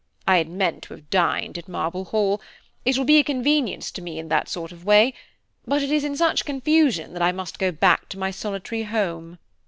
I had meant to have dined at Marble Hall–it will be a convenience to me in that sort of way–but it is in such confusion that I must go back to my solitary home."